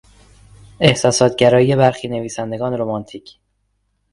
احساسات گرایی برخی نویسندگان رومانتیک